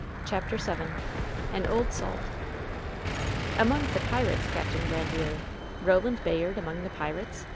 CHAPTER Vn AN OLD SALT "Among the pirates, Capt. Grandiere ? Roland Bay ard among the pirates?"